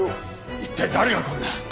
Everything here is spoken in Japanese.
一体誰がこんな。